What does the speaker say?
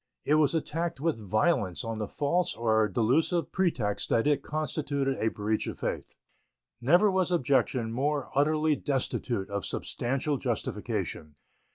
It was attacked with violence on the false or delusive pretext that it constituted a breach of faith. Never was objection more utterly destitute of substantial justification.